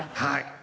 はい。